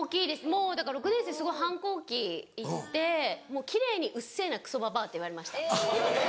もうだから６年生すごい反抗期いってキレイに「うっせぇなクソばばあ」って言われました。